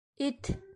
Эт!